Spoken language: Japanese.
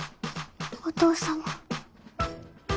お父様。